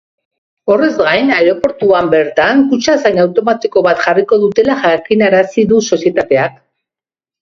Horrez gain, aireportuan bertan kutxazain automatiko bat jarriko dutela jakinarazi du sozietateak.